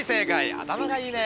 頭がいいね。